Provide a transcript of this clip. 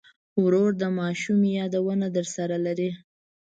ورور د ماشومۍ یادونه درسره لري.